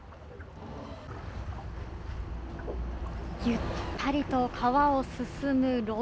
ゆったりと川を進む、ろ舟。